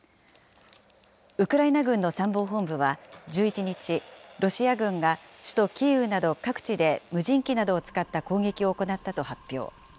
ウクライナ軍の参謀本部は１１日、ロシア軍が首都キーウなど各地で無人機などを使った攻撃を行ったと発表。